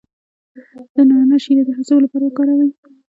د نعناع شیره د هضم لپاره وکاروئ